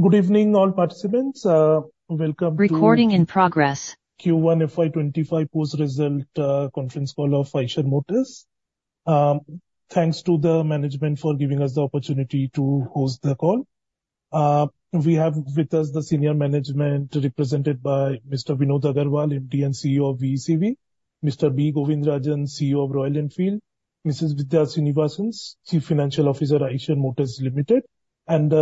Good evening, all participants, welcome to- Recording in progress. Q1 FY25 post-result conference call of Eicher Motors. Thanks to the management for giving us the opportunity to host the call. We have with us the senior management, represented by Mr. Vinod Aggarwal, MD and CEO of VECV, Mr. B. Govindarajan, CEO of Royal Enfield, Mrs. Vidhya Srinivasan, Chief Financial Officer, Eicher Motors Limited, and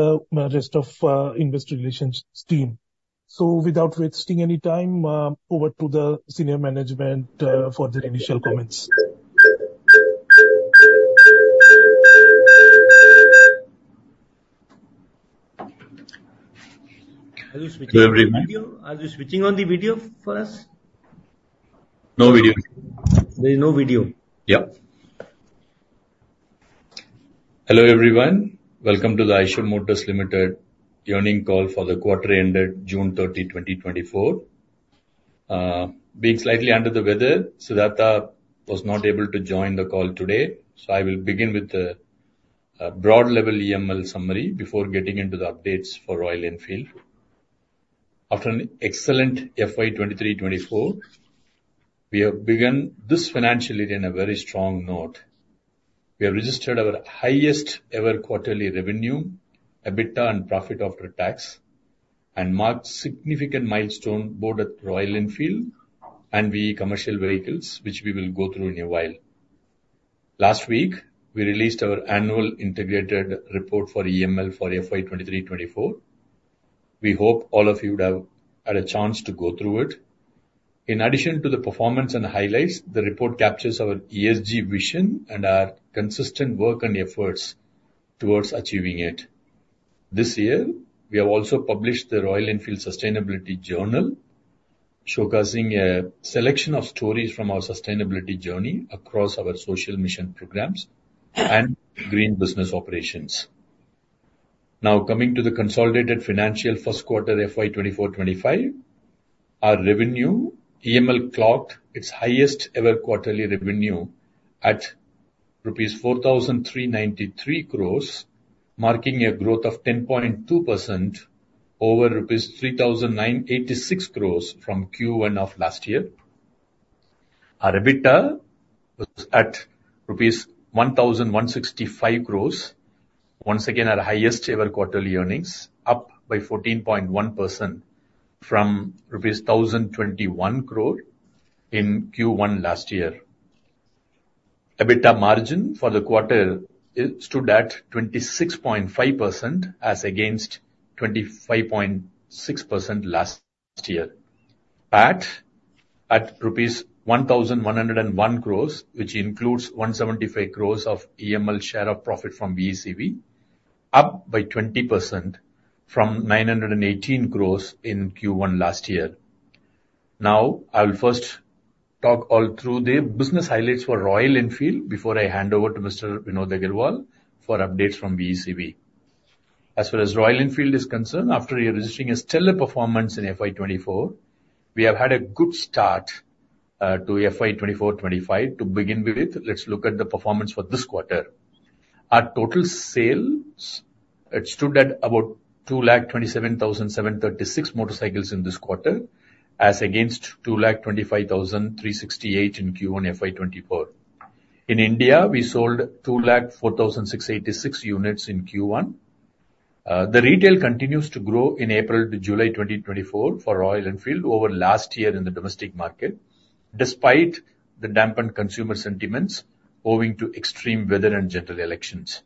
rest of investor relations team. So without wasting any time, over to the senior management for their initial comments. Hello, everyone. Good evening. Are you switching on the video for us? No video. There is no video. Yeah. Hello, everyone. Welcome to the Eicher Motors Limited earnings call for the quarter ended June 30, 2024. Being slightly under the weather, Siddhartha was not able to join the call today, so I will begin with the broad level EML summary before getting into the updates for Royal Enfield. After an excellent FY 2023- 2024, we have begun this financial year in a very strong note. We have registered our highest ever quarterly revenue, EBITDA and profit after tax, and marked significant milestone both at Royal Enfield and VE Commercial Vehicles, which we will go through in a while. Last week, we released our annual integrated report for EML for FY 2023-24. We hope all of you would have had a chance to go through it. In addition to the performance and highlights, the report captures our ESG vision and our consistent work and efforts towards achieving it. This year, we have also published the Royal Enfield Sustainability Journal, showcasing a selection of stories from our sustainability journey across our social mission programs and green business operations. Now, coming to the consolidated financial first quarter FY 2024-25. Our revenue, EML clocked its highest ever quarterly revenue at rupees 4,393 crore, marking a growth of 10.2% over rupees 3,986 crore from Q1 of last year. Our EBITDA was at rupees 1,165 crore. Once again, our highest ever quarterly earnings, up by 14.1% from rupees 1,021 crore in Q1 last year. EBITDA margin for the quarter is, stood at 26.5%, as against 25.6% last year. PAT at rupees 1,101 crores, which includes 175 crores of EML share of profit from VECV, up by 20% from 918 crores in Q1 last year. Now, I will first talk all through the business highlights for Royal Enfield before I hand over to Mr. Vinod Aggarwal for updates from VECV. As far as Royal Enfield is concerned, after registering a stellar performance in FY 2024, we have had a good start to FY 2024-25. To begin with, let's look at the performance for this quarter. Our total sales, it stood at about 227,736 motorcycles in this quarter, as against 225,368 in Q1 FY 2024. In India, we sold 204,686 units in Q1. The retail continues to grow in April to July 2024 for Royal Enfield over last year in the domestic market, despite the dampened consumer sentiments owing to extreme weather and general elections.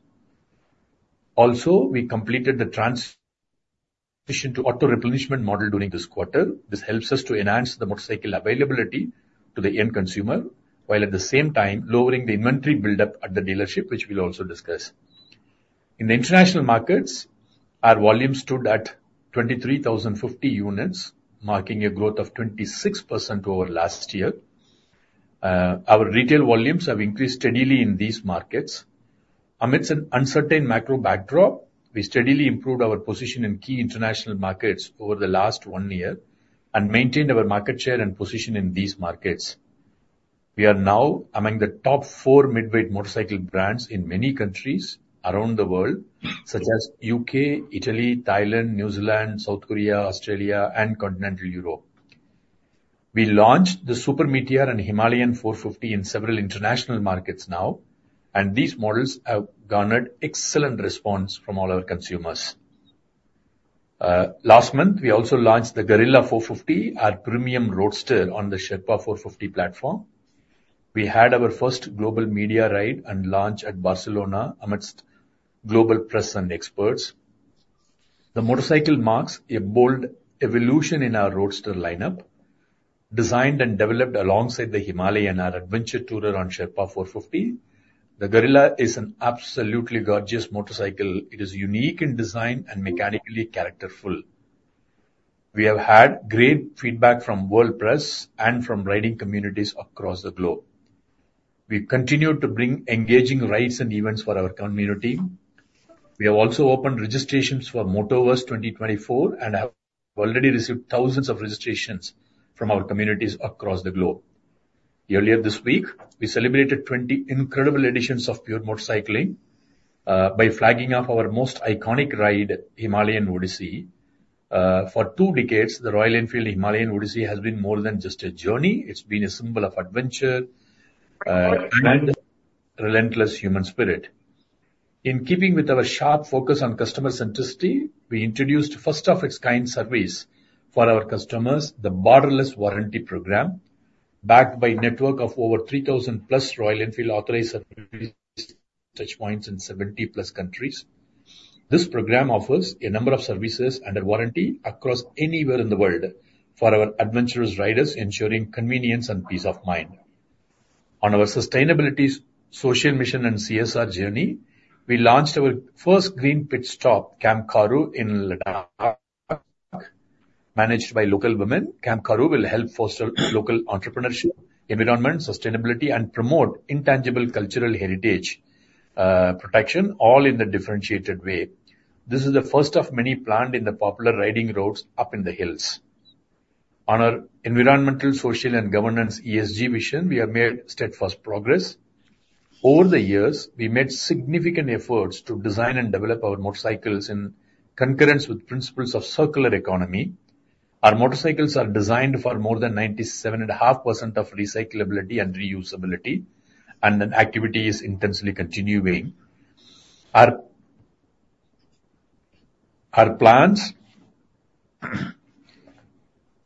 Also, we completed the transition to auto replenishment model during this quarter. This helps us to enhance the motorcycle availability to the end consumer, while at the same time lowering the inventory buildup at the dealership, which we'll also discuss. In the international markets, our volume stood at 23,050 units, marking a growth of 26% over last year. Our retail volumes have increased steadily in these markets. Amidst an uncertain macro backdrop, we steadily improved our position in key international markets over the last one year and maintained our market share and position in these markets. We are now among the top four mid-weight motorcycle brands in many countries around the world, such as UK, Italy, Thailand, New Zealand, South Korea, Australia and Continental Europe. We launched the Super Meteor and Himalayan 450 in several international markets now, and these models have garnered excellent response from all our consumers. Last month, we also launched the Guerrilla 450, our premium roadster on the Sherpa 450 platform. We had our first global media ride and launch at Barcelona amidst global press and experts. The motorcycle marks a bold evolution in our roadster lineup. Designed and developed alongside the Himalayan, our adventure tourer on Sherpa 450, the Guerrilla is an absolutely gorgeous motorcycle. It is unique in design and mechanically characterful. We have had great feedback from world press and from riding communities across the globe. We continue to bring engaging rides and events for our community. We have also opened registrations for Motoverse 2024, and have already received thousands of registrations from our communities across the globe. Earlier this week, we celebrated 20 incredible editions of pure motorcycling by flagging off our most iconic ride, Himalayan Odyssey. For two decades, the Royal Enfield Himalayan Odyssey has been more than just a journey. It's been a symbol of adventure and relentless human spirit. In keeping with our sharp focus on customer centricity, we introduced first-of-its-kind service for our customers, the Borderless Warranty Program, backed by a network of over 3,000+ Royal Enfield authorized service touch points in 70+ countries. This program offers a number of services under warranty across anywhere in the world for our adventurous riders, ensuring convenience and peace of mind. On our sustainability, social mission, and CSR journey, we launched our first Green Pit Stop, Camp Kharu, in Ladakh. Managed by local women, Camp Kharu will help foster local entrepreneurship, environment, sustainability, and promote intangible cultural heritage, protection, all in a differentiated way. This is the first of many planned in the popular riding roads up in the hills. On our environmental, social, and governance ESG mission, we have made steadfast progress. Over the years, we made significant efforts to design and develop our motorcycles in concurrence with principles of circular economy. Our motorcycles are designed for more than 97.5% of recyclability and reusability, and the activity is intensely continuing. Our, our plants,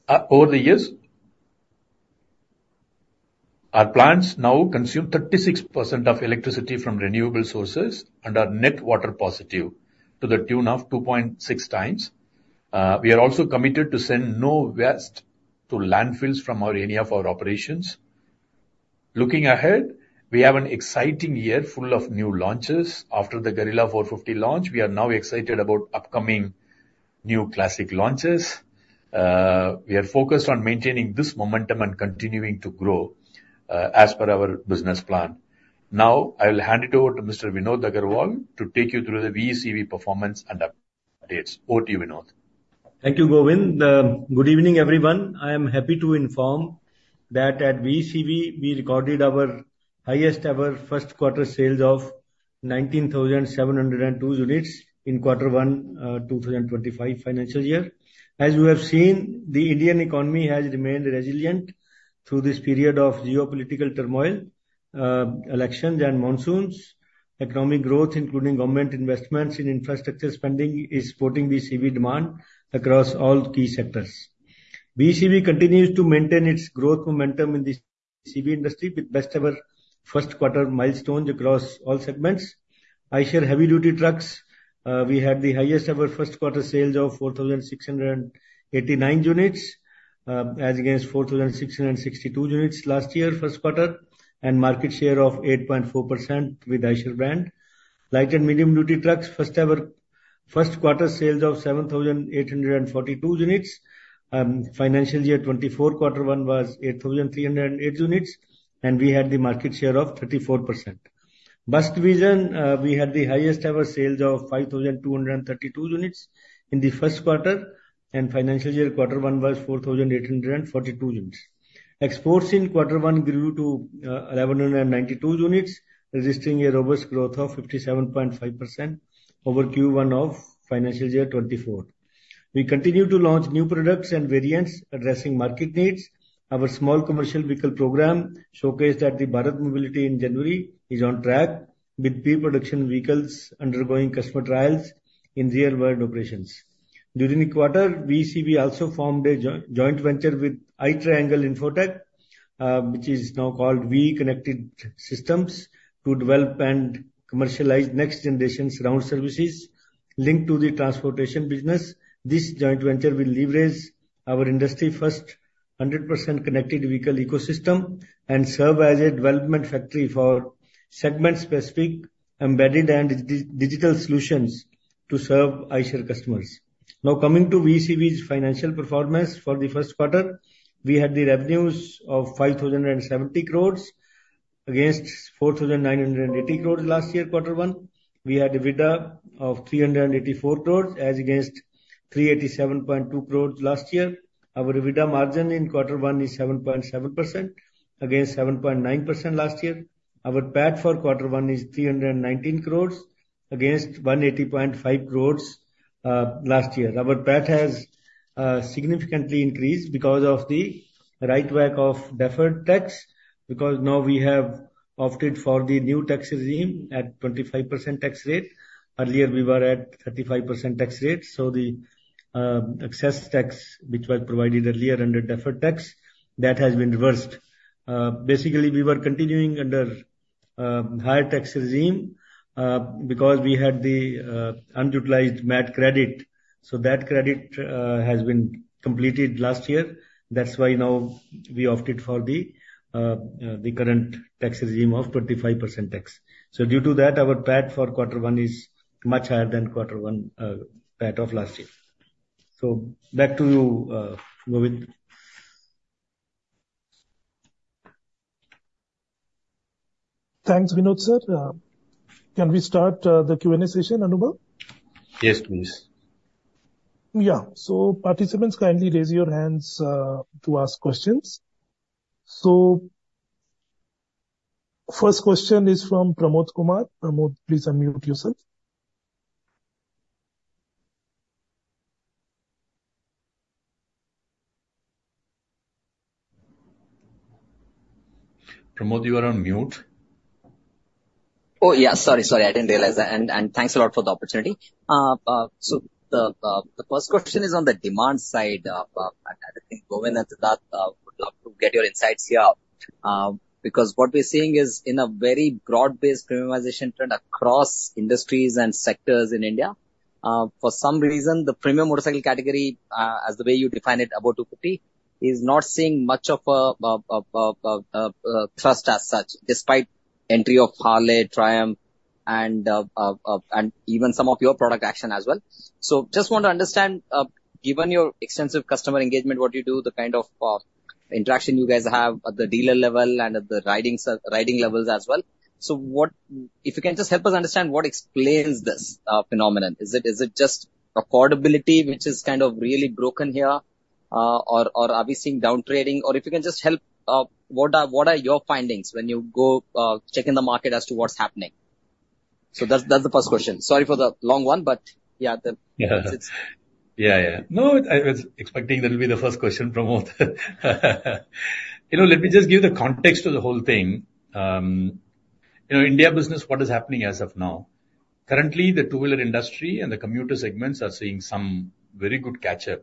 over the years, our plants now consume 36% of electricity from renewable sources and are net water positive to the tune of 2.6 times. We are also committed to send no waste to landfills from any of our operations. Looking ahead, we have an exciting year full of new launches. After the Guerrilla 450 launch, we are now excited about upcoming new Classic launches. We are focused on maintaining this momentum and continuing to grow, as per our business plan. Now, I will hand it over to Mr. Vinod Aggarwal to take you through the VECV performance and updates. Over to you, Vinod. Thank you, Govind. Good evening, everyone. I am happy to inform that at VECV, we recorded our highest ever first quarter sales of 19,702 units in Quarter One, 2025 financial year. As you have seen, the Indian economy has remained resilient through this period of geopolitical turmoil, elections and monsoons. Economic growth, including government investments in infrastructure spending, is supporting VECV demand across all key sectors. VECV continues to maintain its growth momentum in the CV industry with best ever first quarter milestones across all segments. Eicher Heavy Duty Trucks, we had the highest ever first quarter sales of 4,689 units, as against 4,662 units last year, first quarter, and market share of 8.4% with Eicher brand. Light and Medium Duty Trucks, first ever first quarter sales of 7,842 units. Financial year 2024, Quarter One was 8,308 units, and we had the market share of 34%. Bus division, we had the highest ever sales of 5,232 units in the first quarter, and financial year Quarter One was 4,842 units. Exports in Quarter One grew to 1,192 units, registering a robust growth of 57.5% over Q1 of financial year 2024. We continue to launch new products and variants addressing market needs. Our small commercial vehicle program, showcased at the Bharat Mobility in January, is on track with pre-production vehicles undergoing customer trials in real-world operations. During the quarter, VECV also formed a joint venture with iTriangle Infotech, which is now called VECV Connected Systems, to develop and commercialize next generation surround services linked to the transportation business. This joint venture will leverage our industry-first, 100% connected vehicle ecosystem and serve as a development factory for segment-specific embedded and digital solutions to serve Eicher customers. Now, coming to VECV's financial performance for the first quarter. We had the revenues of 5,070 crore against 4,980 crore last year, Quarter One. We had EBITDA of 384 crore, as against 387.2 crore last year. Our EBITDA margin in Quarter One is 7.7%, against 7.9% last year. Our PAT for Quarter One is 319 crore, against 180.5 crore last year. Our PAT has significantly increased because of the write back of Deferred Tax, because now we have opted for the new tax regime at 25% tax rate. Earlier, we were at 35% tax rate, so the excess tax which was provided earlier under Deferred Tax, that has been reversed. Basically, we were continuing under higher tax regime, because we had the unutilized MAT credit. So that credit has been completed last year. That's why now we opted for the current tax regime of 35% tax. So due to that, our PAT for Quarter One is much higher than Quarter One PAT of last year. So back to you, Govind. Thanks, Vinod, sir. Can we start the Q&A session, Anubhav? Yes, please. Yeah. So participants, kindly raise your hands, to ask questions. So first question is from Pramod Kumar. Pramod, please unmute yourself. Pramod, you are on mute. Oh, yeah, sorry, sorry, I didn't realize that. Thanks a lot for the opportunity. So the first question is on the demand side. I think Govind and Siddharth would love to get your insights here. Because what we're seeing is in a very broad-based premiumization trend across industries and sectors in India, for some reason, the premium motorcycle category, as the way you define it, above 250, is not seeing much of a thrust as such, despite entry of Harley, Triumph, and even some of your product action as well. So just want to understand, given your extensive customer engagement, what you do, the kind of interaction you guys have at the dealer level and at the riding levels as well. So what if you can just help us understand what explains this phenomenon? Is it, is it just affordability, which is kind of really broken here? Or, or are we seeing downtrading? Or if you can just help, what are, what are your findings when you go, check in the market as to what's happening? So that's, that's the first question. Sorry for the long one, but yeah, the- Yeah. Yeah, yeah. No, I was expecting that will be the first question, Pramod. You know, let me just give the context to the whole thing. You know, India business, what is happening as of now? Currently, the two-wheeler industry and the commuter segments are seeing some very good catch up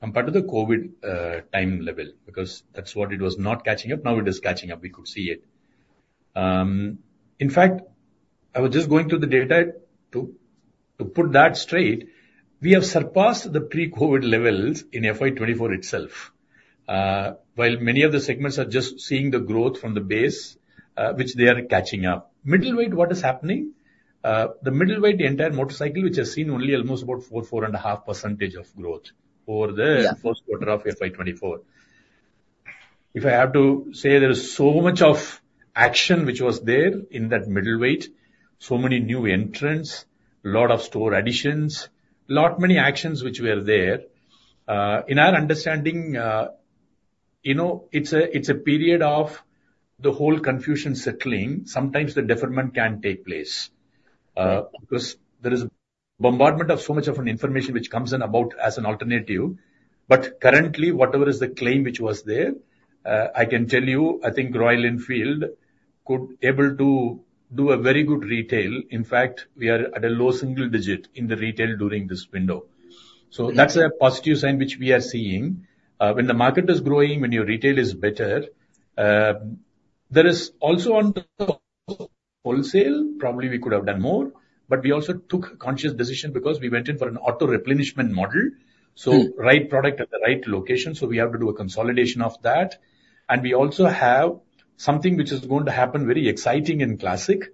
on part of the COVID time level, because that's what it was not catching up, now it is catching up. We could see it. In fact, I was just going through the data to put that straight. We have surpassed the pre-COVID levels in FY 2024 itself. While many of the segments are just seeing the growth from the base, which they are catching up. Middleweight, what is happening? The middleweight, the entire motorcycle, which has seen only almost about 4-4.5% of growth over the first quarter of FY 2024. If I have to say, there is so much of action which was there in that middleweight, so many new entrants, lot of store additions, lot many actions which were there. In our understanding, you know, it's a, it's a period of the whole confusion settling. Sometimes the deferment can take place, because there is bombardment of so much of an information which comes in about as an alternative. But currently, whatever is the claim which was there, I can tell you, I think Royal Enfield could able to do a very good retail. In fact, we are at a low single digit in the retail during this window. Mm. That's a positive sign which we are seeing. When the market is growing, when your retail is better, there is also on the wholesale, probably we could have done more, but we also took a conscious decision because we went in for an auto replenishment model. Mm. Right product at the right location, so we have to do a consolidation of that. We also have something which is going to happen, very exciting and Classic.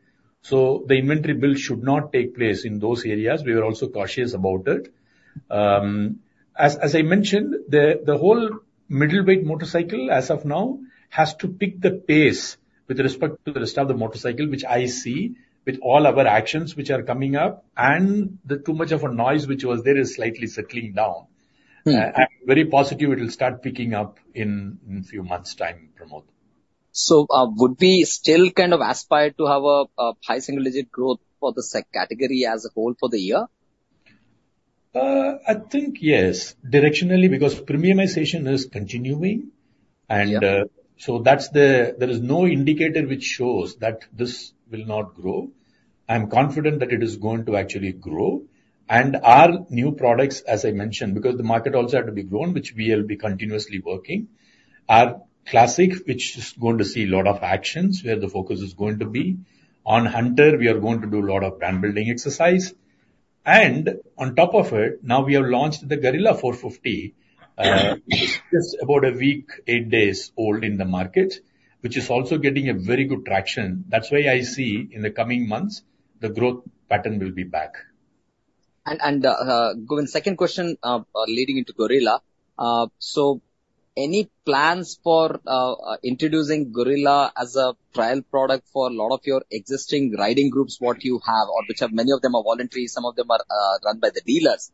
The inventory build should not take place in those areas. We are also cautious about it. As I mentioned, the whole middleweight motorcycle, as of now, has to pick the pace with respect to the rest of the motorcycle, which I see with all our actions which are coming up, and the too much of a noise which was there is slightly settling down. Mm. I'm very positive it will start picking up in few months time, Pramod. Would we still kind of aspire to have a high single digit growth for the 2W category as a whole for the year? I think yes, directionally, because premiumization is continuing. Yeah. So that's the... There is no indicator which shows that this will not grow. I'm confident that it is going to actually grow. And our new products, as I mentioned, because the market also had to be grown, which we will be continuously working. Our Classic, which is going to see a lot of actions, where the focus is going to be. On Hunter, we are going to do a lot of brand building exercise. And on top of it, now we have launched the Guerrilla 450. Mm. It's just about a week, 8 days old in the market, which is also getting a very good traction. That's why I see in the coming months, the growth pattern will be back. Govind, second question, leading into Guerrilla. So any plans for introducing Guerrilla as a trial product for a lot of your existing riding groups, what you have, or which are many of them are voluntary, some of them are run by the dealers?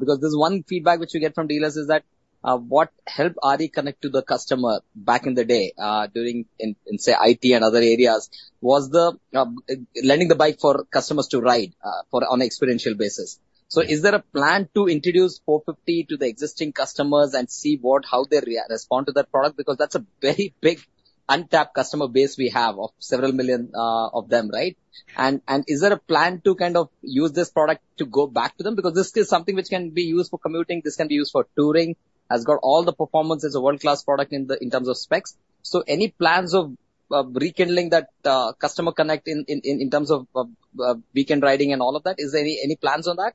Because there's one feedback which we get from dealers is that what helped RE connect to the customer back in the day, during, in, say, IT and other areas, was the lending the bike for customers to ride for on an experiential basis. So is there a plan to introduce 450 to the existing customers and see what, how they respond to that product? Because that's a very big untapped customer base we have of several million of them, right? Is there a plan to kind of use this product to go back to them? Because this is something which can be used for commuting, this can be used for touring, has got all the performances, it's a world-class product in terms of specs. So any plans of rekindling that customer connect in terms of weekend riding and all of that? Is there any plans on that?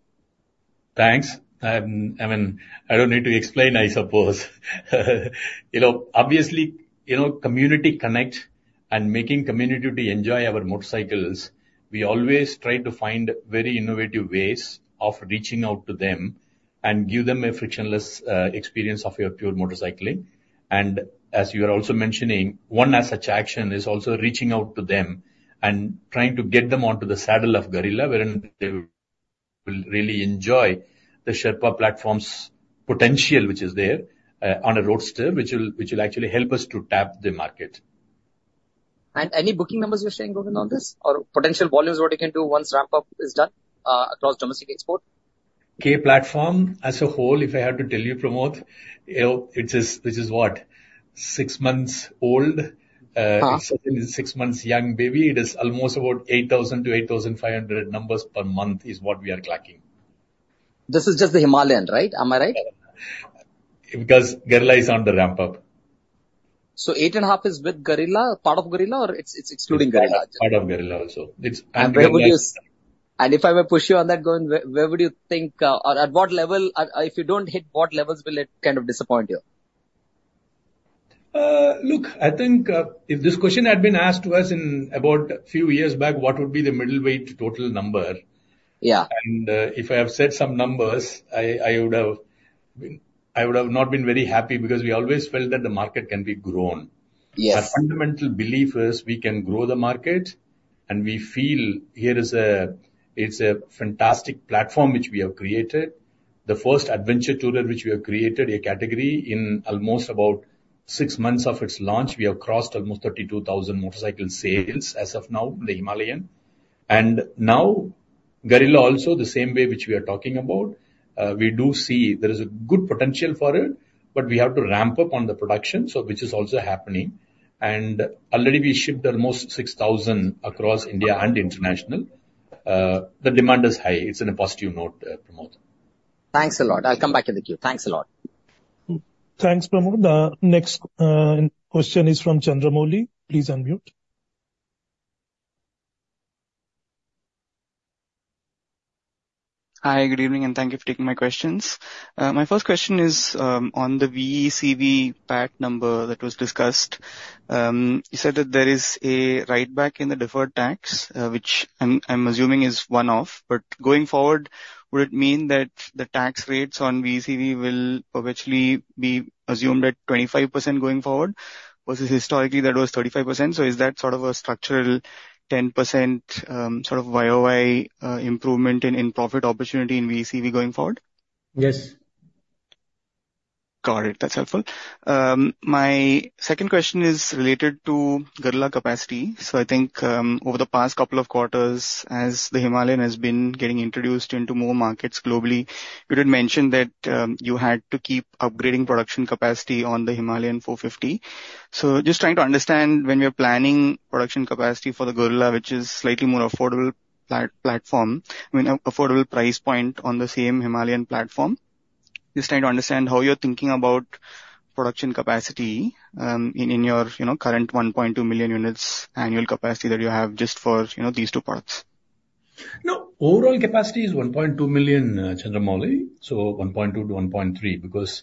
Thanks. I mean, I don't need to explain, I suppose. You know, obviously, you know, community connect and making community to enjoy our motorcycles, we always try to find very innovative ways of reaching out to them and give them a frictionless, experience of your pure motorcycling. And as you are also mentioning, one as such action is also reaching out to them and trying to get them onto the saddle of Guerrilla, wherein they will really enjoy the Sherpa platform's potential, which is there, on a roadster, which will, which will actually help us to tap the market. Any booking numbers you're seeing, Govind, on this? Or potential volumes, what you can do once ramp up is done, across domestic export? K Platform as a whole, if I have to tell you, Pramod, it is, which is what? Six months old, Uh. Six months young baby. It is almost about 8,000 to 8,500 numbers per month is what we are clocking. This is just the Himalayan, right? Am I right? Because Guerrilla is on the ramp up. 8.5 is with Guerrilla, part of Guerrilla, or it's, it's excluding Guerrilla? Part of Guerrilla also. It's- If I were to push you on that, Govind, where would you think, or at what level, if you don't hit what levels, will it kind of disappoint you? Look, I think, if this question had been asked to us in about a few years back, what would be the middleweight total number- Yeah. If I have said some numbers, I would have not been very happy, because we always felt that the market can be grown. Yes. Our fundamental belief is we can grow the market, and we feel here is a, it's a fantastic platform which we have created. The first adventure tourer which we have created a category in almost about 6 months of its launch, we have crossed almost 32,000 motorcycle sales as of now, the Himalayan. And now, Guerrilla also, the same way which we are talking about, we do see there is a good potential for it, but we have to ramp up on the production, so which is also happening. And already we shipped almost 6,000 across India and international. The demand is high. It's in a positive note, Pramod. Thanks a lot. I'll come back in the queue. Thanks a lot. Thanks, Pramod. The next question is from Chandramouli. Please unmute. Hi, good evening, and thank you for taking my questions. My first question is on the VECV PAT number that was discussed. You said that there is a write back in the deferred tax, which I'm, I'm assuming is one-off. But going forward, would it mean that the tax rates on VECV will perpetually be assumed at 25% going forward? Versus historically, that was 35%, so is that sort of a structural 10%, sort of YoY, improvement in, in profit opportunity in VECV going forward? Yes. Got it. That's helpful. My second question is related to Guerrilla capacity. So I think, over the past couple of quarters, as the Himalayan has been getting introduced into more markets globally, you did mention that, you had to keep upgrading production capacity on the Himalayan 450. So just trying to understand when we are planning production capacity for the Guerrilla, which is slightly more affordable platform, I mean, affordable price point on the same Himalayan platform. Just trying to understand how you're thinking about production capacity, in your, you know, current 1.2 million units annual capacity that you have just for, you know, these two products. No, overall capacity is 1.2 million, Chandramouli, so 1.2 to 1.3, because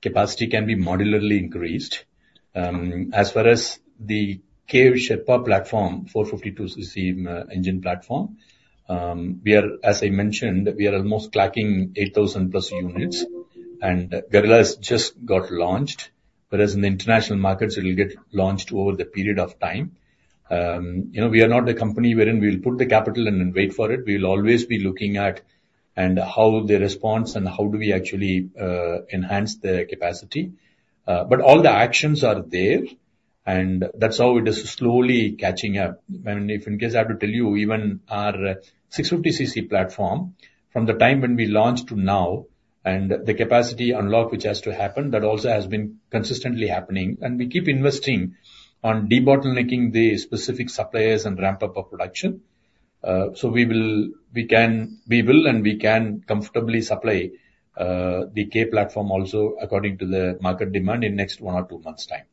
capacity can be modularly increased. As far as the K Sherpa platform, 452 cc engine platform, we are, as I mentioned, we are almost clocking 8,000+ units, and Guerrilla has just got launched. Whereas in the international markets, it will get launched over the period of time. You know, we are not a company wherein we'll put the capital in and wait for it. We'll always be looking at and how the response and how do we actually enhance the capacity. But all the actions are there, and that's how it is slowly catching up. If in case I have to tell you, even our 650 cc platform, from the time when we launched to now, and the capacity unlock, which has to happen, that also has been consistently happening. We keep investing on debottlenecking the specific suppliers and ramp up of production. So we will, we can, we will and we can comfortably supply the K Platform also according to the market demand in next 1 or 2 months' time.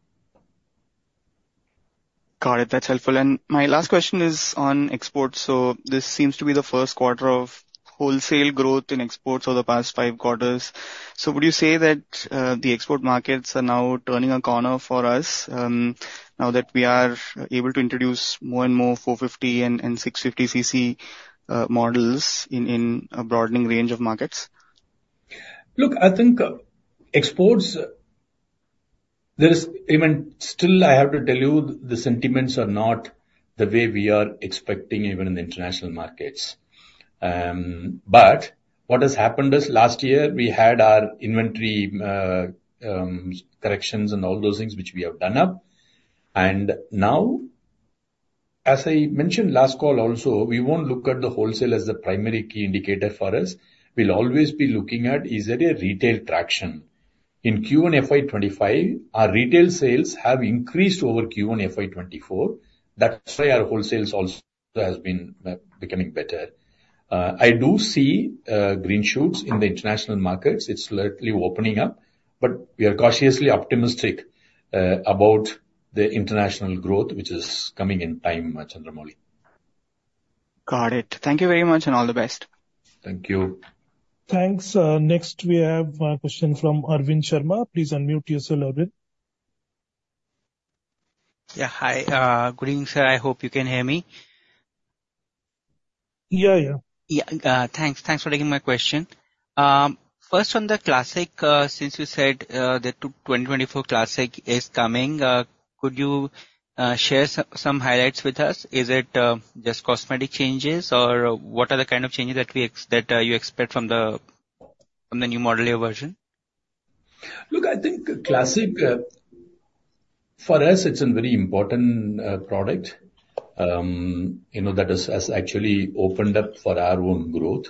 Got it. That's helpful. My last question is on exports. This seems to be the first quarter of wholesale growth in exports over the past 5 quarters. Would you say that the export markets are now turning a corner for us, now that we are able to introduce more and more 450 and 650 cc models in a broadening range of markets? Look, I think exports, there is even still, I have to tell you, the sentiments are not the way we are expecting even in the international markets. But what has happened is last year we had our inventory, corrections and all those things, which we have done up. And now, as I mentioned last call also, we won't look at the wholesale as the primary key indicator for us. We'll always be looking at, is there a retail traction? In Q1 FY 25, our retail sales have increased over Q1 FY 24. That's why our wholesales also has been, becoming better. I do see, green shoots in the international markets. It's slightly opening up, but we are cautiously optimistic, about the international growth, which is coming in time, Chandramouli. Got it. Thank you very much, and all the best. Thank you. Thanks. Next we have a question from Arvind Sharma. Please unmute yourself, Arvind. Yeah, hi, good evening, sir. I hope you can hear me. Yeah, yeah. Yeah, thanks. Thanks for taking my question. First on the Classic, since you said the 2024 Classic is coming, could you share some highlights with us? Is it just cosmetic changes, or what are the kind of changes that we expect from the new model year version? Look, I think Classic, for us, it's a very important product. You know, that has actually opened up for our own growth.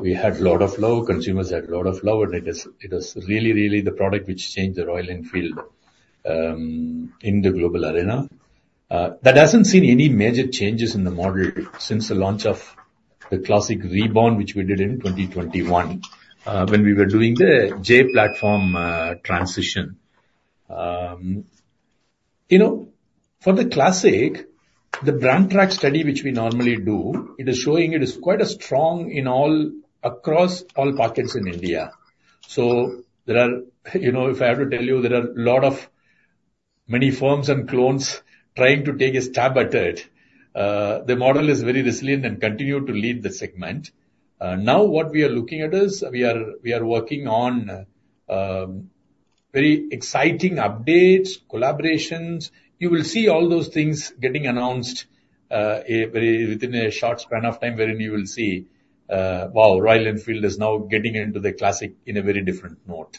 We had a lot of love, consumers had a lot of love, and it is really, really the product which changed the Royal Enfield in the global arena. That hasn't seen any major changes in the model since the launch of the Classic Reborn, which we did in 2021, when we were doing the J platform transition. You know, for the Classic, the brand track study, which we normally do, it is showing it is quite strong across all pockets in India. So there are, you know, if I have to tell you, there are a lot of many forms and clones trying to take a stab at it. The model is very resilient and continue to lead the segment. Now, what we are looking at is, we are working on very exciting updates, collaborations. You will see all those things getting announced, a very, within a short span of time, wherein you will see, wow, Royal Enfield is now getting into the Classic in a very different mode.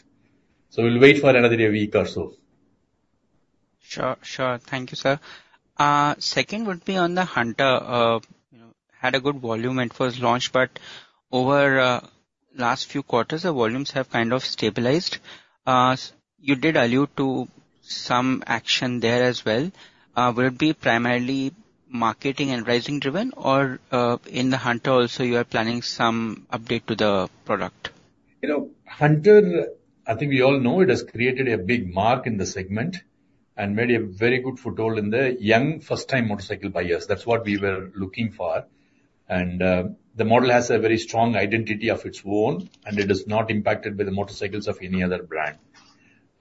So we'll wait for another week or so. Sure, sure. Thank you, sir. Second would be on the Hunter. Had a good volume when it first launched, but over last few quarters, the volumes have kind of stabilized. You did allude to some action there as well. Will it be primarily marketing and pricing driven? Or, in the Hunter also, you are planning some update to the product? You know, Hunter, I think we all know it has created a big mark in the segment and made a very good foothold in the young, first-time motorcycle buyers. That's what we were looking for. And, the model has a very strong identity of its own, and it is not impacted by the motorcycles of any other brand.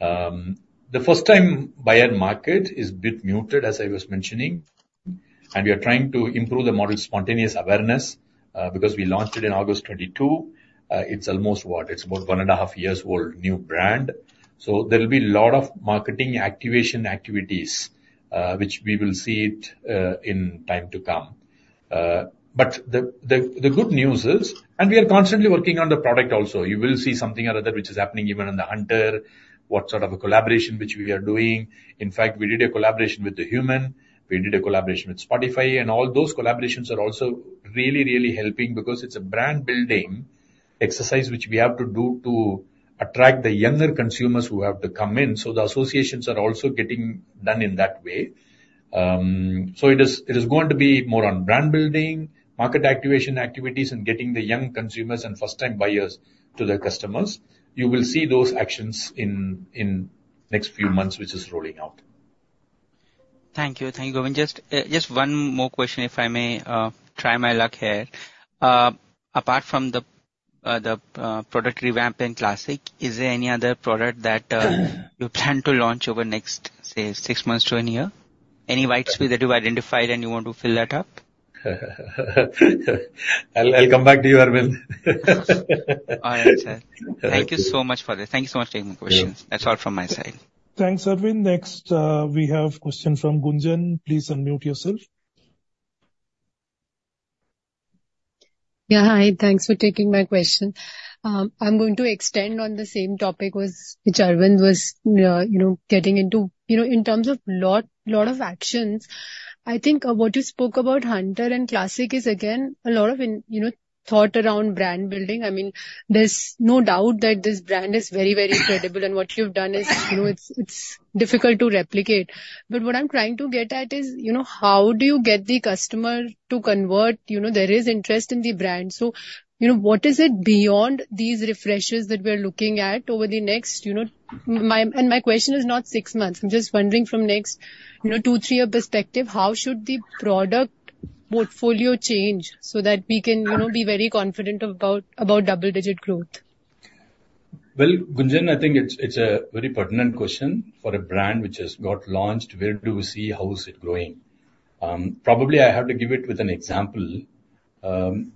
The first-time buyer market is a bit muted, as I was mentioning, and we are trying to improve the model's spontaneous awareness, because we launched it in August 2022. It's almost, what? It's about one and a half years old, new brand. So there will be a lot of marketing activation activities, which we will see it, in time to come. But the good news is... And we are constantly working on the product also. You will see something or other, which is happening even in the Hunter, what sort of a collaboration which we are doing. In fact, we did a collaboration with HUEMN. We did a collaboration with Spotify, and all those collaborations are also really, really helping because it's a brand-building exercise which we have to do to attract the younger consumers who have to come in. So the associations are also getting done in that way. So it is going to be more on brand building, market activation activities, and getting the young consumers and first-time buyers to the customers. You will see those actions in next few months, which is rolling out. Thank you. Thank you, Govind. Just one more question, if I may, try my luck here. Apart from the product revamp in Classic, is there any other product that you plan to launch over the next, say, six months to a year? Any white spaces that you've identified and you want to fill that up? I'll come back to you, Arvind. All right, sir. Thank you so much for this. Thank you so much for taking my questions. Yeah. That's all from my side. Thanks, Arvind. Next, we have a question from Gunjan. Please unmute yourself. Yeah, hi. Thanks for taking my question. I'm going to extend on the same topic, which Arvind was, you know, getting into. You know, in terms of lot, lot of actions, I think what you spoke about Hunter and Classic is, again, a lot of in, you know, thought around brand building. I mean, there's no doubt that this brand is very, very incredible, and what you've done is, you know, it's, it's difficult to replicate. But what I'm trying to get at is, you know, how do you get the customer to convert? You know, there is interest in the brand. So, you know, what is it beyond these refreshes that we are looking at over the next, you know, my... And my question is not six months. I'm just wondering from next 2-3-year perspective, how should the product portfolio change so that we can, you know, be very confident about double-digit growth? Well, Gunjan, I think it's, it's a very pertinent question for a brand which has got launched. Where do we see, how is it growing? Probably, I have to give it with an example.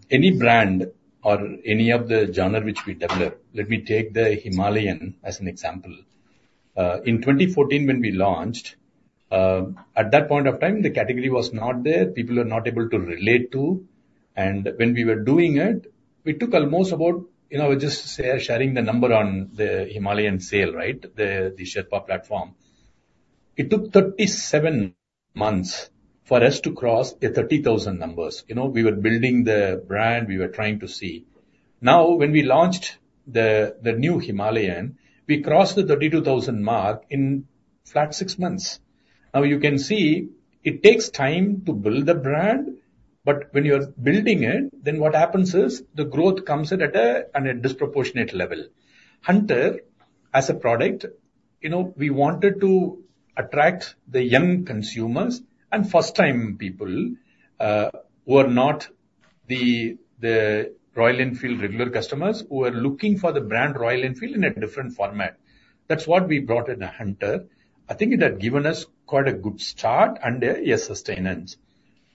Any brand or any of the genre which we develop, let me take the Himalayan as an example. In 2014, when we launched, at that point of time, the category was not there. People were not able to relate to. And when we were doing it, we took almost about, you know, just say, sharing the number on the Himalayan sale, right? The, the Sherpa platform. It took 37 months for us to cross the 30,000 numbers. You know, we were building the brand, we were trying to see. Now, when we launched the, the new Himalayan, we crossed the 32,000 mark in flat 6 months. Now, you can see it takes time to build a brand, but when you are building it, then what happens is the growth comes in at a, on a disproportionate level. Hunter, as a product, you know, we wanted to attract the young consumers and first-time people who are not the Royal Enfield regular customers who are looking for the brand Royal Enfield in a different format. That's what we brought in the Hunter. I think it has given us quite a good start and a sustenance.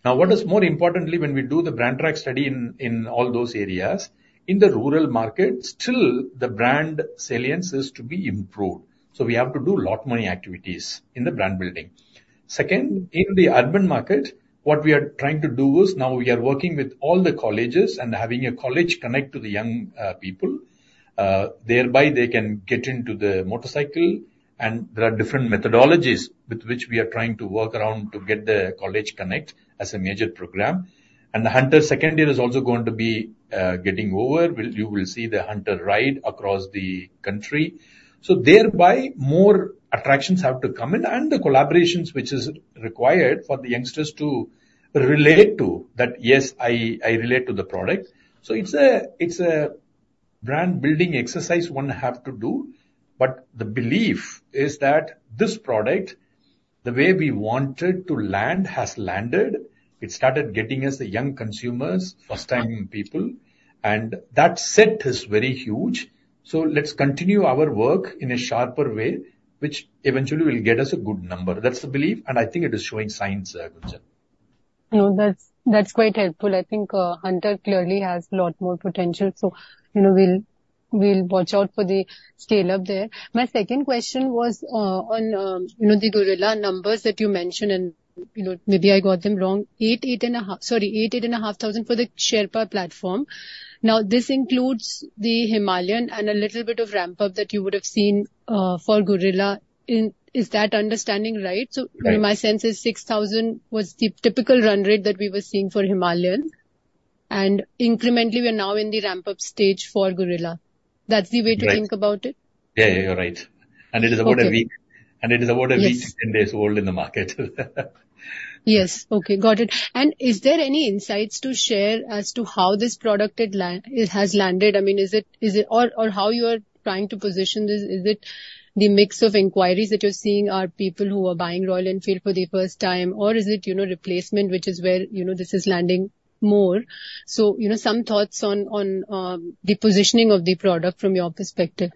Now, what is more importantly, when we do the brand track study in all those areas, in the rural market, still the brand salience is to be improved. So we have to do lot many activities in the brand building. Second, in the urban market, what we are trying to do is now we are working with all the colleges and having a college connect to the young, people. Thereby, they can get into the motorcycle, and there are different methodologies with which we are trying to work around to get the college connect as a major program. And the Hunter second year is also going to be, getting over, where you will see the Hunter ride across the country. So thereby, more attractions have to come in, and the collaborations which is required for the youngsters to relate to, that, "Yes, I, I relate to the product." So it's a, it's a brand building exercise one have to do, but the belief is that this product, the way we wanted to land, has landed. It started getting us the young consumers, first-time people, and that set is very huge. So let's continue our work in a sharper way, which eventually will get us a good number. That's the belief, and I think it is showing signs, Gunjan. No, that's, that's quite helpful. I think, Hunter clearly has a lot more potential. So, you know, we'll, we'll watch out for the scale-up there. My second question was on, you know, the Guerrilla numbers that you mentioned, and, you know, maybe I got them wrong. 8, 8.5... Sorry, 8, 8.5 thousand for the Sherpa platform. Now, this includes the Himalayan and a little bit of ramp-up that you would have seen for Guerrilla. Is that understanding right? Right. So my sense is 6,000 was the typical run rate that we were seeing for Himalayan, and incrementally, we are now in the ramp-up stage for Guerrilla. That's the way- Right. to think about it? Yeah, yeah, you're right. Okay. It is about a week. Yes. and it is about a week and days old in the market. Yes. Okay, got it. And is there any insights to share as to how this product has landed? I mean, is it? Or how you are trying to position this? Is it the mix of inquiries that you're seeing are people who are buying Royal Enfield for the first time, or is it, you know, replacement, which is where, you know, this is landing more? So, you know, some thoughts on the positioning of the product from your perspective.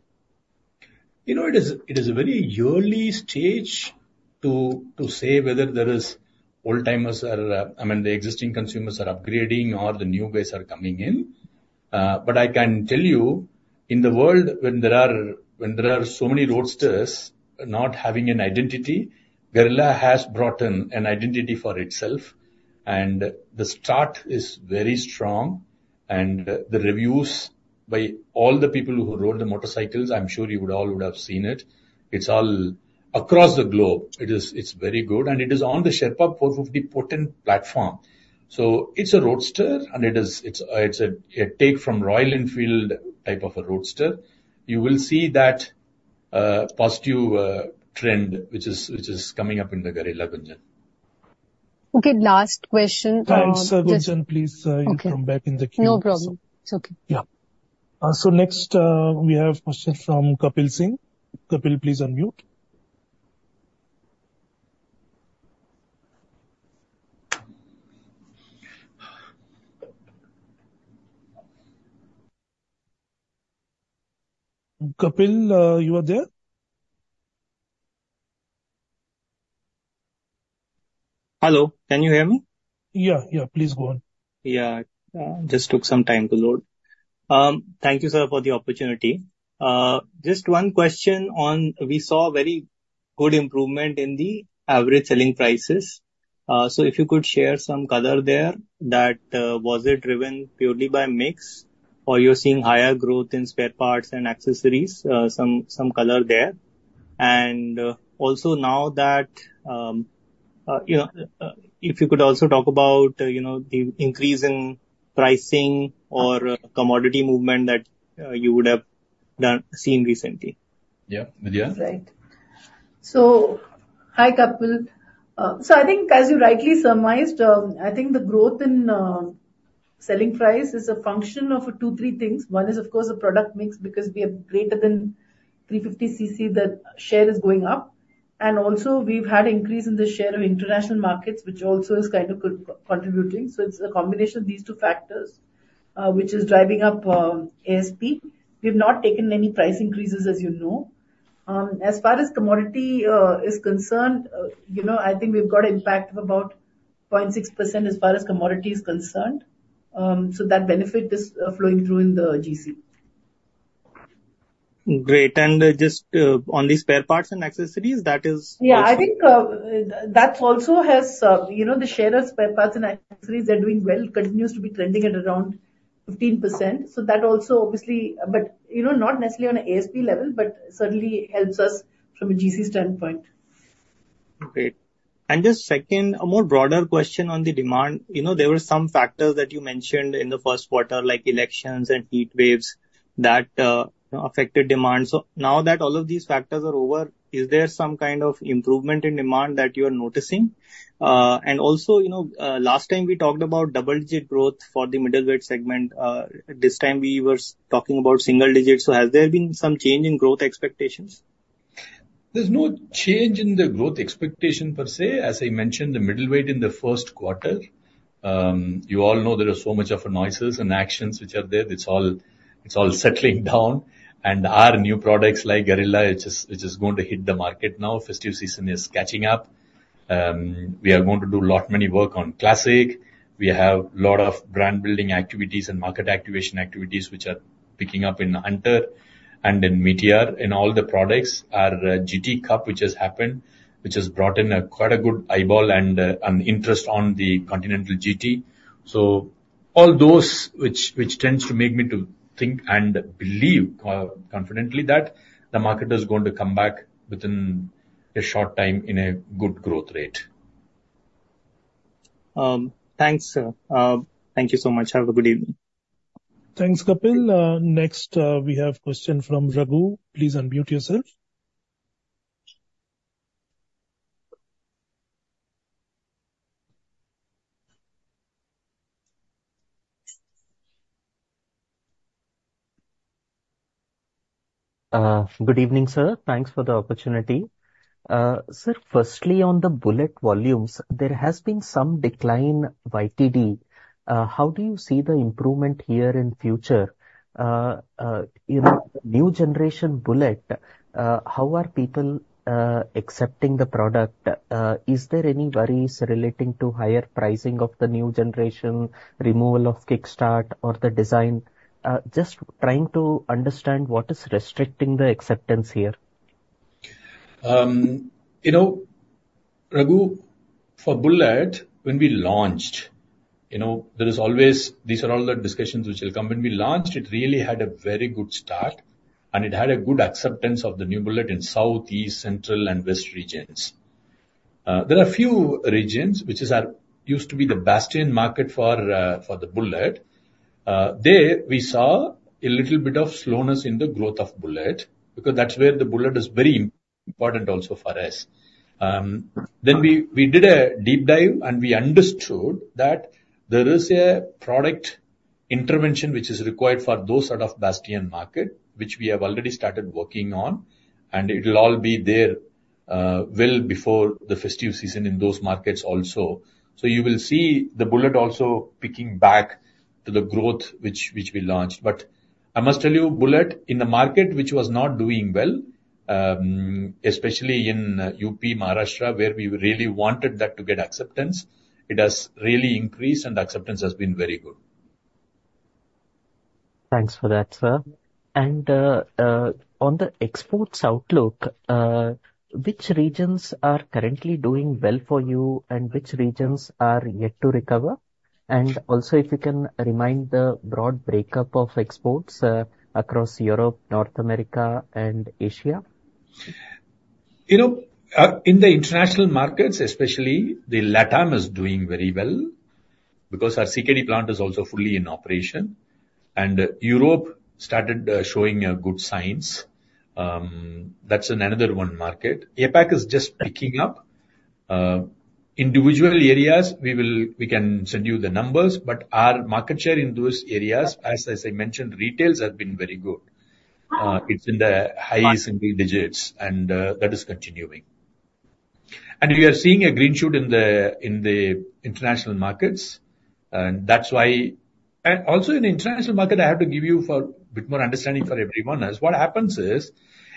You know, it is a very early stage to say whether there is old-timers or, I mean, the existing consumers are upgrading or the new guys are coming in. But I can tell you, in the world, when there are so many roadsters not having an identity, Guerrilla has brought in an identity for itself, and the start is very strong. And the reviews by all the people who rode the motorcycles, I'm sure you all would have seen it. It's all across the globe. It is very good, and it is on the Sherpa 450 potent platform. So it's a roadster, and it is a take from Royal Enfield type of a roadster. You will see that positive trend which is coming up in the Guerrilla, Gunjan. Okay, last question, just- Thanks, Gunjan. Please, come back in the queue. Okay. No problem. It's okay. Yeah. So next, we have a question from Kapil Singh. Kapil, please unmute. Kapil, you are there? Hello, can you hear me? Yeah, yeah, please go on. Yeah, just took some time to load. Thank you, sir, for the opportunity. Just one question on... We saw very good improvement in the average selling prices. So if you could share some color there, that, was it driven purely by mix, or you're seeing higher growth in spare parts and accessories? Some color there. And also now that, you know, the increase in pricing or commodity movement that you would have done, seen recently. Yeah, Vidhya? Right. So hi, Kapil. So I think as you rightly surmised, I think the growth in selling price is a function of 2, 3 things. One is, of course, the product mix, because we have greater than 350 cc, the share is going up. And also, we've had increase in the share of international markets, which also is kind of co-contributing. So it's a combination of these two factors, which is driving up ASP. We've not taken any price increases, as you know. As far as commodity is concerned, you know, I think we've got impact of about 0.6% as far as commodity is concerned. So that benefit is flowing through in the GC. Great. And just on the spare parts and accessories, that is- Yeah, I think that also has, you know, the share of spare parts and accessories are doing well, continues to be trending at around 15%. So that also obviously... But, you know, not necessarily on a ASP level, but certainly helps us from a GC standpoint. Great. And just second, a more broader question on the demand. You know, there were some factors that you mentioned in the first quarter, like elections and heat waves, that affected demand. So now that all of these factors are over, is there some kind of improvement in demand that you are noticing? And also, you know, last time we talked about double-digit growth for the middleweight segment, this time we were talking about single digits. So has there been some change in growth expectations? There's no change in the growth expectation per se. As I mentioned, the middleweight in the first quarter, you all know there is so much of noises and actions which are there. It's all, it's all settling down. And our new products, like Guerrilla, which is, which is going to hit the market now. Festive season is catching up. We are going to do lot many work on Classic. We have a lot of brand building activities and market activation activities, which are picking up in Hunter and in Meteor. In all the products, our GT Cup, which has happened, which has brought in a quite a good eyeball and, and interest on the Continental GT. So all those which tends to make me to think and believe confidently that the market is going to come back within a short time in a good growth rate. Thanks, sir. Thank you so much. Have a good evening. Thanks, Kapil. Next, we have question from Raghu. Please unmute yourself. Good evening, sir. Thanks for the opportunity. Sir, firstly, on the Bullet volumes, there has been some decline YTD. How do you see the improvement here in future? In new generation Bullet, how are people accepting the product? Is there any worries relating to higher pricing of the new generation, removal of kickstart or the design? Just trying to understand what is restricting the acceptance here. You know, Raghu, for Bullet, when we launched, you know, there is always, these are all the discussions which will come. When we launched, it really had a very good start, and it had a good acceptance of the new Bullet in South, East, Central and West regions. There are few regions which is our, used to be the bastion market for, for the Bullet. There, we saw a little bit of slowness in the growth of Bullet, because that's where the Bullet is very important also for us. Then we did a deep dive, and we understood that there is a product intervention which is required for those sort of bastion market, which we have already started working on, and it will all be there, well before the festive season in those markets also. So you will see the Bullet also picking back to the growth which we launched. But I must tell you, Bullet, in the market, which was not doing well, especially in UP, Maharashtra, where we really wanted that to get acceptance, it has really increased and acceptance has been very good. Thanks for that, sir. And, on the exports outlook, which regions are currently doing well for you, and which regions are yet to recover? And also, if you can remind the broad breakup of exports, across Europe, North America and Asia. You know, in the international markets, especially the LatAm, is doing very well because our CKD plant is also fully in operation. And Europe started showing good signs. That's another one market. APAC is just picking up. Individual areas, we can send you the numbers, but our market share in those areas, as I mentioned, retails have been very good. It's in the high single digits, and that is continuing. And we are seeing a green shoot in the international markets, and that's why... Also in the international market, I have to give you for a bit more understanding for everyone, is what happens is,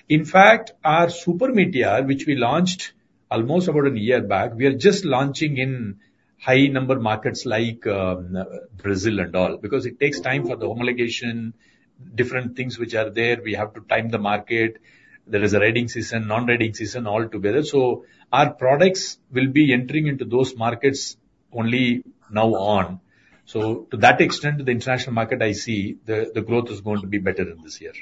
in fact, our Super Meteor, which we launched almost about a year back, we are just launching in high number markets like Brazil and all. Because it takes time for the homologation, different things which are there. We have to time the market. There is a riding season, non-riding season all together. So our products will be entering into those markets only now on. So to that extent, the international market, I see the growth is going to be better in this year.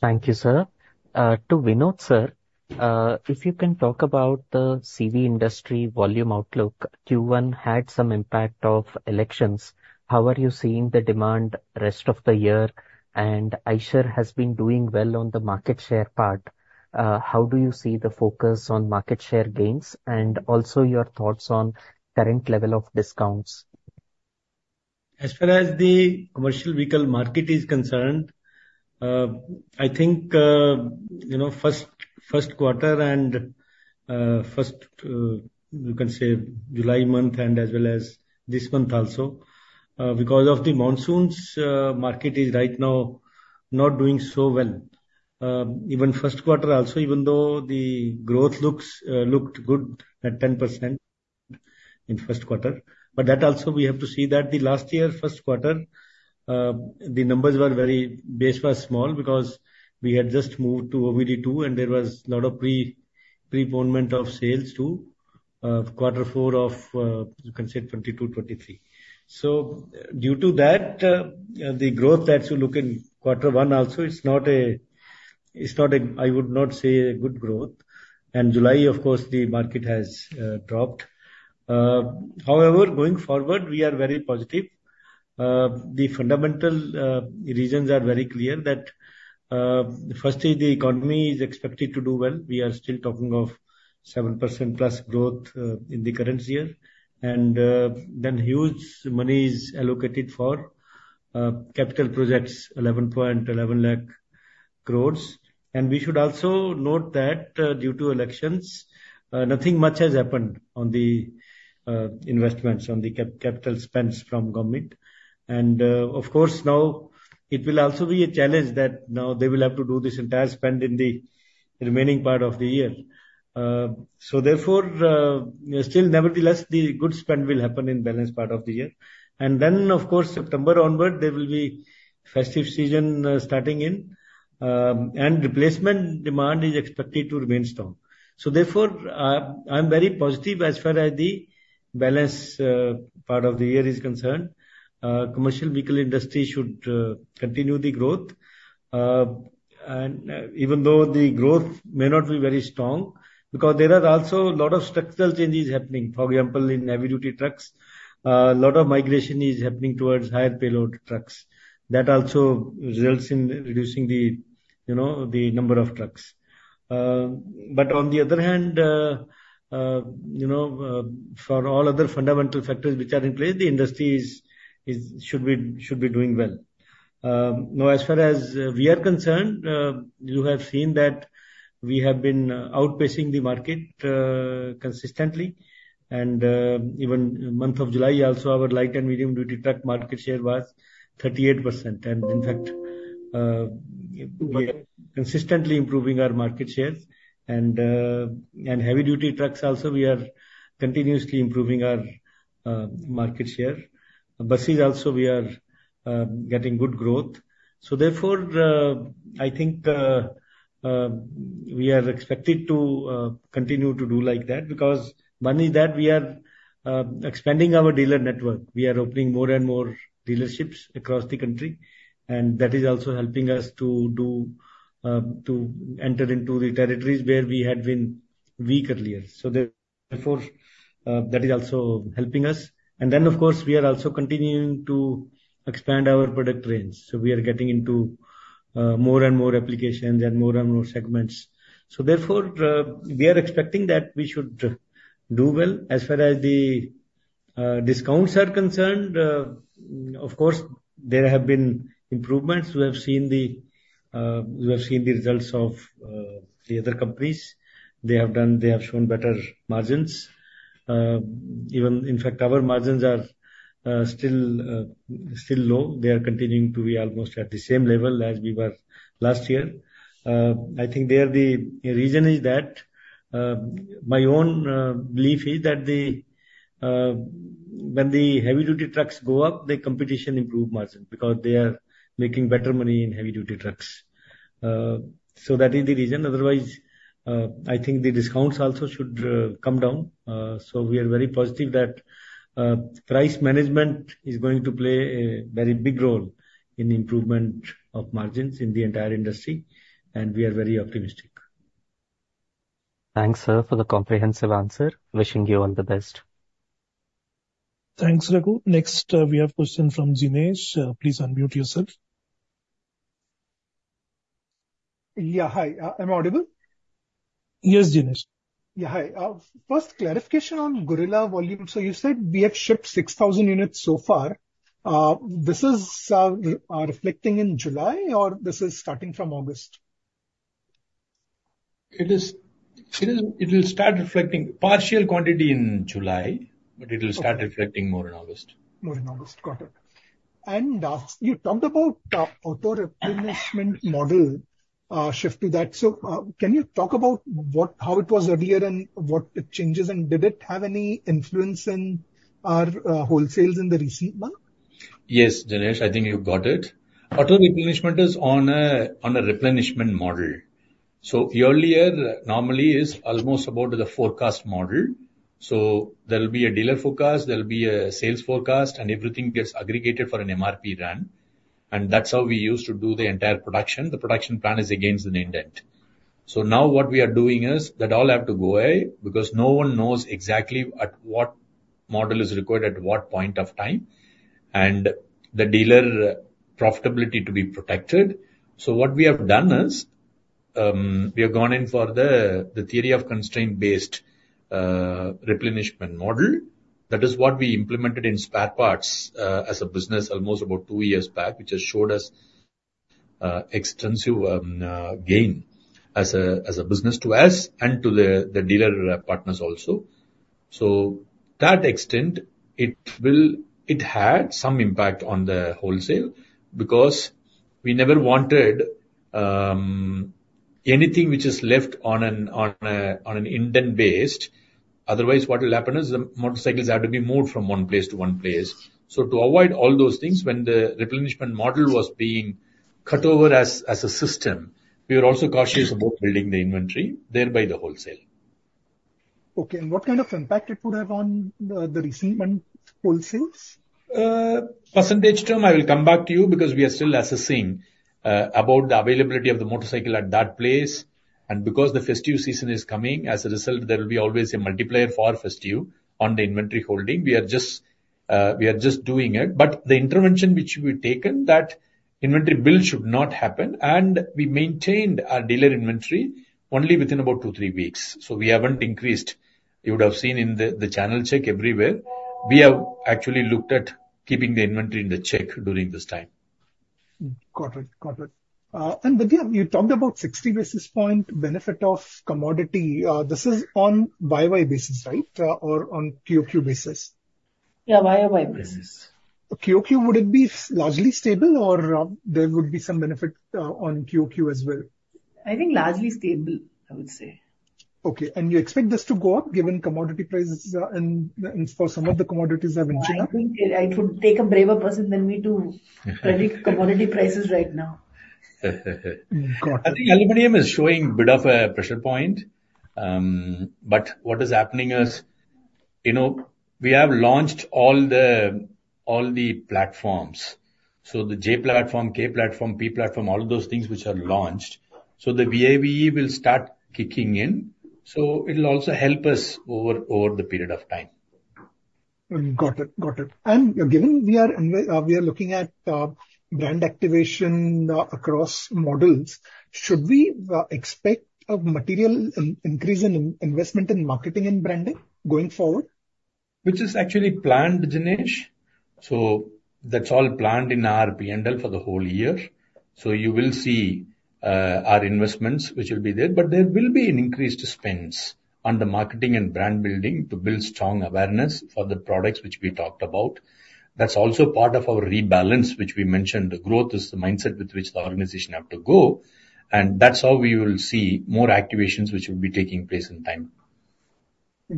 Thank you, sir. To Vinod, sir, if you can talk about the CV industry volume outlook. Q1 had some impact of elections. How are you seeing the demand rest of the year? And Eicher has been doing well on the market share part. How do you see the focus on market share gains, and also your thoughts on current level of discounts? As far as the commercial vehicle market is concerned, I think, you know, first, first quarter and, first, you can say July month and as well as this month also, because of the monsoons, market is right now not doing so well. Even first quarter also, even though the growth looks, looked good at 10% in first quarter. But that also, we have to see that the last year, first quarter, the numbers were very, base was small because we had just moved to OBD-II, and there was a lot of pre-preponement of sales to, quarter four of, you can say 2022-2023. So due to that, the growth that you look in quarter one also, it's not a, it's not a—I would not say a good growth. July, of course, the market has dropped. However, going forward, we are very positive. The fundamental reasons are very clear that, firstly, the economy is expected to do well. We are still talking of 7%+ growth in the current year. Then huge money is allocated for capital projects, 1,111,000 crore. We should also note that, due to elections, nothing much has happened on the investments, on the capital spends from government. Of course, now it will also be a challenge that now they will have to do this entire spend in the remaining part of the year. So therefore, still nevertheless, the good spend will happen in balance part of the year. And then, of course, September onward, there will be festive season starting in, and replacement demand is expected to remain strong. So therefore, I'm very positive as far as the balance part of the year is concerned. Commercial vehicle industry should continue the growth. And even though the growth may not be very strong, because there are also a lot of structural changes happening. For example, in heavy-duty trucks, a lot of migration is happening towards higher payload trucks. That also results in reducing the, you know, the number of trucks. But on the other hand, you know, for all other fundamental factors which are in place, the industry is should be doing well. Now, as far as we are concerned, you have seen that we have been outpacing the market consistently. Even month of July also, our light and medium-duty truck market share was 38%. In fact, we are consistently improving our market shares and heavy-duty trucks also we are continuously improving our market share. Buses also, we are getting good growth. So therefore, I think we are expected to continue to do like that because one is that we are expanding our dealer network. We are opening more and more dealerships across the country, and that is also helping us to to enter into the territories where we had been weak earlier. So therefore, that is also helping us. Then, of course, we are also continuing to expand our product range. So we are getting into more and more applications and more and more segments. So therefore, we are expecting that we should do well. As far as the discounts are concerned, of course, there have been improvements. We have seen the results of the other companies. They have done. They have shown better margins. Even in fact, our margins are still low. They are continuing to be almost at the same level as we were last year. I think the reason is that my own belief is that when the heavy-duty trucks go up, the competition improve margin, because they are making better money in heavy-duty trucks. So that is the reason. Otherwise, I think the discounts also should come down. So we are very positive that price management is going to play a very big role in improvement of margins in the entire industry, and we are very optimistic. Thanks, sir, for the comprehensive answer. Wishing you all the best. Thanks, Raghu. Next, we have a question from Jinesh. Please unmute yourself. Yeah, hi. Am I audible? Yes, Jinesh. Yeah, hi. First, clarification on Guerrilla volume. So you said we have shipped 6,000 units so far. This is reflecting in July, or this is starting from August? It will start reflecting partial quantity in July, but it will start reflecting more in August. More in August. Got it. And last, you talked about the auto replenishment model, shift to that. So, can you talk about what, how it was earlier and what the changes, and did it have any influence in our, wholesales in the recent quarter? Yes, Jinesh, I think you got it. Auto replenishment is on a replenishment model. So earlier, normally, is almost about the forecast model. So there will be a dealer forecast, there will be a sales forecast, and everything gets aggregated for an MRP run. And that's how we used to do the entire production. The production plan is against an indent. So now what we are doing is, that all have to go away, because no one knows exactly at what model is required, at what point of time, and the dealer profitability to be protected. So what we have done is, we have gone in for the theory of constraint-based replenishment model. That is what we implemented in spare parts, as a business almost about two years back, which has showed us, extensive gain as a business to us and to the dealer partners also. So that extent, it had some impact on the wholesale, because we never wanted, anything which is left on an indent basis. Otherwise, what will happen is the motorcycles have to be moved from one place to one place. So to avoid all those things, when the replenishment model was being cut over as a system, we were also cautious about building the inventory, thereby the wholesale. Okay. And what kind of impact it would have on the retail and wholesale? Percentage term, I will come back to you, because we are still assessing about the availability of the motorcycle at that place. And because the festive season is coming, as a result, there will be always a multiplier for festive on the inventory holding. We are just we are just doing it, but the intervention which we've taken, that inventory build should not happen, and we maintained our dealer inventory only within about 2-3 weeks. So we haven't increased. You would have seen in the channel check everywhere, we have actually looked at keeping the inventory in check during this time. Got it. Got it. And Vidhya, you talked about 60 basis points benefit of commodity. This is on year-over-year basis, right? Or on quarter-over-quarter basis. Yeah, YoY basis. QoQ, would it be largely stable or, there would be some benefit on QoQ as well? I think largely stable, I would say. Okay. And you expect this to go up, given commodity prices are, and, and for some of the commodities have increased? I think it would take a braver person than me to predict commodity prices right now. Got it. I think aluminum is showing a bit of a pressure point, but what is happening is, you know, we have launched all the, all the platforms. So the J platform, K platform, P platform, all those things which are launched. So the VAVE will start kicking in, so it'll also help us over, over the period of time. Got it. Got it. And given we are looking at brand activation across models, should we expect a material increase in investment in marketing and branding going forward? Which is actually planned, Dinesh. So that's all planned in our P&L for the whole year. So you will see our investments, which will be there. But there will be increased spends on the marketing and brand building to build strong awareness for the products which we talked about. That's also part of our rebalance, which we mentioned. Growth is the mindset with which the organization have to go. And that's how we will see more activations, which will be taking place in time.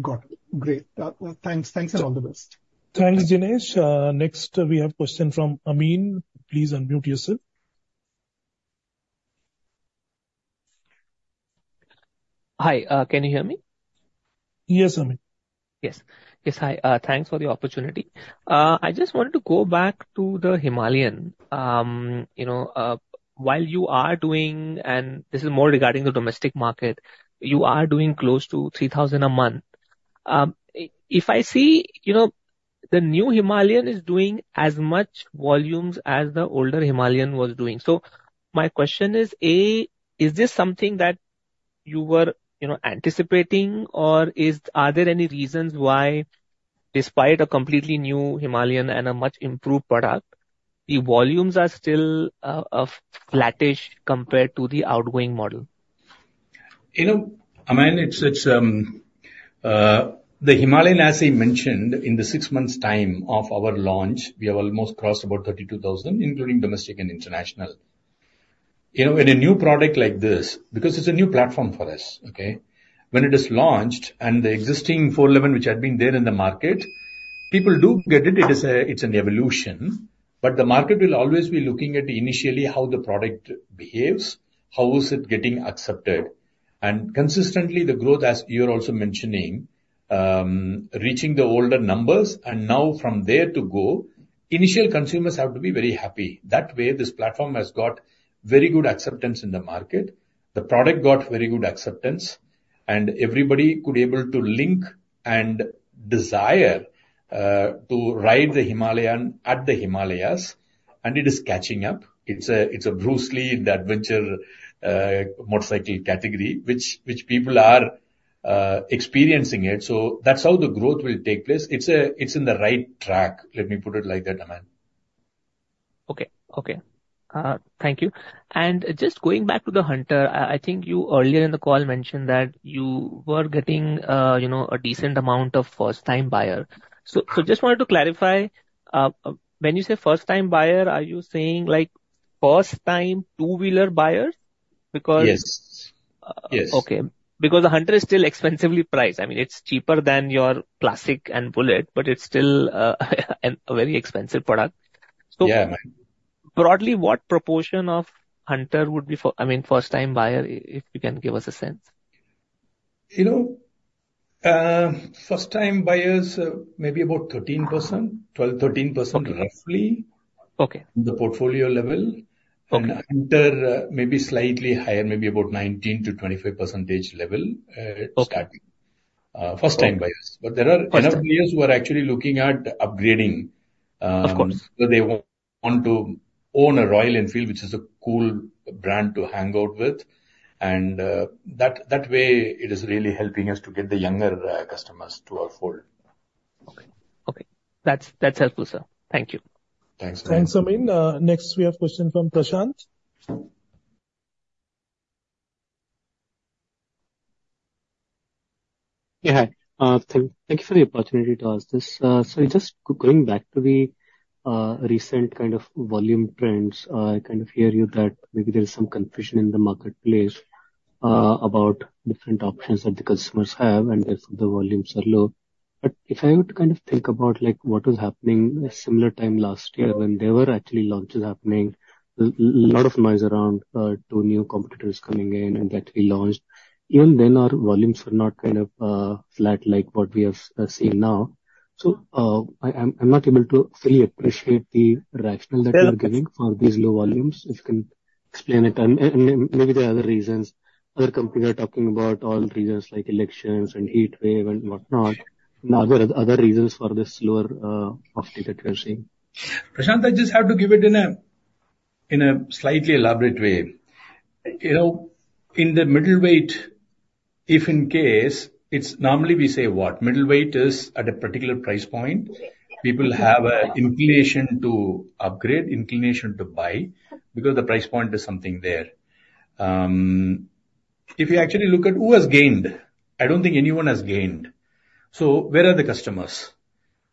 Got it. Great. Thanks, thanks, and all the best. Thanks, Dinesh. Next, we have question from Amyn. Please unmute yourself. Hi, can you hear me? Yes, Amyn. Yes. Yes, hi, thanks for the opportunity. I just wanted to go back to the Himalayan. You know, while you are doing, and this is more regarding the domestic market, you are doing close to 3,000 a month. If I see, you know, the new Himalayan is doing as much volumes as the older Himalayan was doing. So my question is, A, is this something that you were, you know, anticipating, or is... Are there any reasons why despite a completely new Himalayan and a much improved product, the volumes are still flattish compared to the outgoing model? You know, Amyn, it's the Himalayan, as I mentioned, in the six months' time of our launch, we have almost crossed about 32,000, including domestic and international. You know, in a new product like this, because it's a new platform for us, okay? When it is launched and the existing 411, which had been there in the market, people do get it. It is an evolution, but the market will always be looking at initially how the product behaves, how is it getting accepted. Consistently, the growth, as you're also mentioning, reaching the older numbers, and now from there to go, initial consumers have to be very happy. That way, this platform has got very good acceptance in the market. The product got very good acceptance, and everybody could able to link and desire to ride the Himalayan at the Himalayas, and it is catching up. It's a, it's a Bruce Lee in the adventure motorcycle category, which, which people are experiencing it. So that's how the growth will take place. It's, it's in the right track, let me put it like that, Amyn. Okay. Okay, thank you. And just going back to the Hunter, I think you earlier in the call mentioned that you were getting, you know, a decent amount of first-time buyer. So just wanted to clarify, when you say first-time buyer, are you saying, like, first-time two-wheeler buyer? Because- Yes. Yes. Okay. Because the Hunter is still expensively priced. I mean, it's cheaper than your Classic and Bullet, but it's still a very expensive product. Yeah. So broadly, what proportion of Hunter would be for, I mean, first-time buyer, if you can give us a sense? You know, first-time buyers, maybe about 13%, 12, 13%. Okay. -roughly. Okay. The portfolio level. Okay. Hunter, maybe slightly higher, maybe about 19%-25% level, starting. Okay. First-time buyers. First-time. But there are enough buyers who are actually looking at upgrading. Of course. So they want to own a Royal Enfield, which is a cool brand to hang out with. And, that way, it is really helping us to get the younger customers to our fold. Okay. Okay, that's, that's helpful, sir. Thank you. Thanks, Amyn. Thanks, Amyn. Next, we have question from Prashant. Yeah, hi. Thank you for the opportunity to ask this. So just going back to the recent kind of volume trends, I kind of hear you that maybe there is some confusion in the marketplace about different options that the customers have, and therefore, the volumes are low. But if I were to kind of think about, like, what was happening a similar time last year when there were actually launches happening, lot of noise around two new competitors coming in and that we launched, even then, our volumes were not kind of flat, like what we have seen now. So, I'm not able to fully appreciate the rationale that- Yeah You are giving for these low volumes, if you can explain it and maybe the other reasons. Other companies are talking about all reasons like elections and heat wave and whatnot, and other reasons for this slower profit that we are seeing. Prashant, I just have to give it in a, in a slightly elaborate way. You know, in the middleweight, if in case it's normally we say what? Middleweight is at a particular price point. People have an inclination to upgrade, inclination to buy, because the price point is something there. If you actually look at who has gained, I don't think anyone has gained. So where are the customers?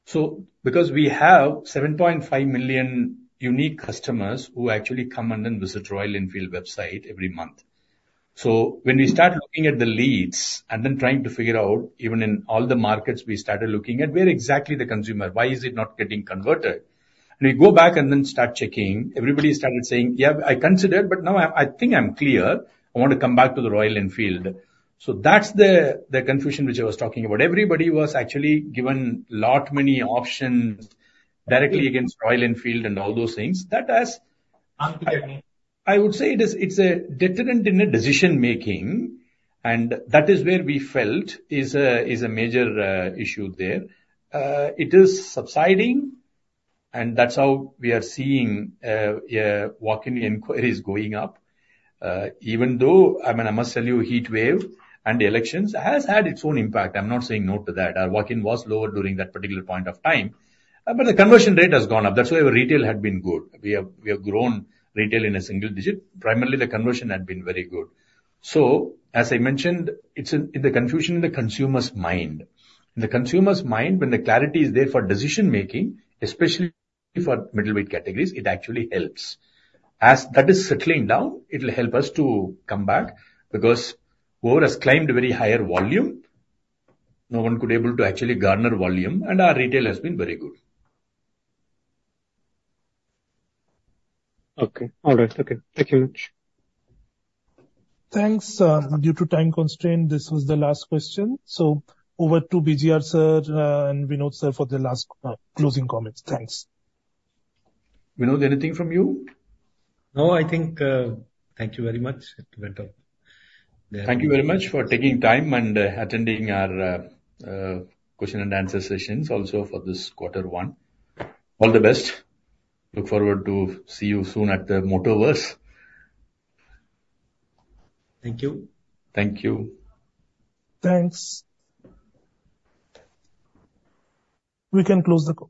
So because we have 7.5 million unique customers who actually come in and visit Royal Enfield website every month. So when we start looking at the leads and then trying to figure out, even in all the markets we started looking at, where exactly the consumer, why is it not getting converted? And we go back and then start checking. Everybody started saying: "Yeah, I considered, but now I, I think I'm clear. I want to come back to the Royal Enfield." So that's the confusion which I was talking about. Everybody was actually given lot many options directly against Royal Enfield and all those things. That has, I would say it is, it's a deterrent in the decision making, and that is where we felt is a major issue there. It is subsiding, and that's how we are seeing walk-in inquiries going up. Even though, I mean, I must tell you, heat wave and the elections has had its own impact. I'm not saying no to that. Our walk-in was lower during that particular point of time, but the conversion rate has gone up. That's why our retail had been good. We have grown retail in a single digit. Primarily, the conversion had been very good. So as I mentioned, it's in the confusion in the consumer's mind. In the consumer's mind, when the clarity is there for decision making, especially for middleweight categories, it actually helps. As that is settling down, it will help us to come back, because whoever has climbed very higher volume, no one could able to actually garner volume, and our retail has been very good. Okay. All right. Okay. Thank you very much. Thanks. Due to time constraint, this was the last question. So over to BGR, sir, and Vinod, sir, for the last, closing comments. Thanks. Vinod, anything from you? No, I think, thank you very much. It went well. Thank you very much for taking time and attending our question and answer sessions also for this quarter one. All the best. Look forward to see you soon at the Motoverse. Thank you. Thank you. Thanks. We can close the call.